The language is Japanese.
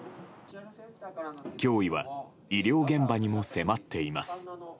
脅威は医療現場にも迫っています。